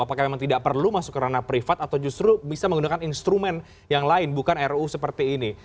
apakah memang tidak perlu masuk ke ranah privat atau justru bisa menggunakan instrumen yang lain bukan ru seperti ini